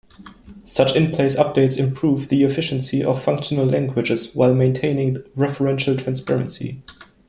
Such in-place updates improve the efficiency of functional languages while maintaining referential transparency.